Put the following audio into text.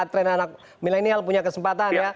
tren anak milenial punya kesempatan ya